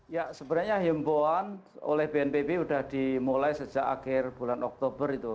ya sebenarnya himboan oleh bnpb sudah dimulai sejak akhir bulan oktober itu